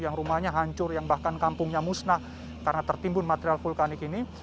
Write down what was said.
yang rumahnya hancur yang bahkan kampungnya musnah karena tertimbun material vulkanik ini